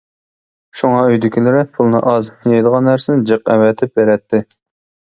شۇڭا ئۆيدىكىلىرى پۇلنى ئاز، يەيدىغان نەرسىلەرنى جىق ئەۋەتىپ بېرەتتى.